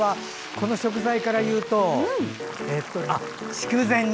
この食材からいうと筑前煮？